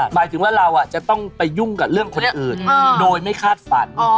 หมายถึงว่าเราจะต้องไปยุ่งกับเรื่องคนอื่นโดยไม่คาดฝัน